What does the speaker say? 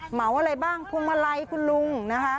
เหมาอะไรบ้างพวงมาลัยคุณลุงนะคะ